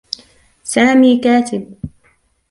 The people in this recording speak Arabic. سامي كاتب.